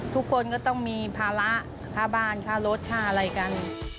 ทุกคนก็ต้องมีภาระค่าบ้านค่ารถค่าอะไรกัน